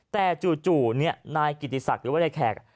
แต่จู่นายกิติศักดิ์หรือว่านายแขก